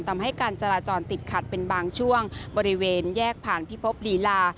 ทำให้การจราจรติดขัดเป็นบางช่วงบริเวณแยกผ่านพิภพลีลา